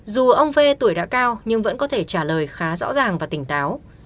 dù ông phê tuổi đã cao nhưng vẫn có thể trả lời khá rõ ràng và tỉnh táo